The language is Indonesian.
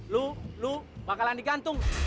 lu lu bakalan digantung